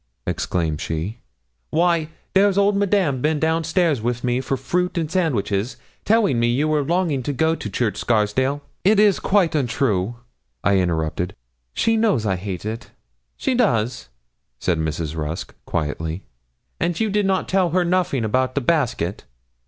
exclaimed she. 'Why, there's old Madame's been down stairs with me for fruit and sandwiches, telling me you were longing to go to Church Scarsdale ' 'It's quite untrue,' I interrupted. 'She knows I hate it.' 'She does?' said Mrs. Rusk, quietly; 'and you did not tell her nothing about the basket?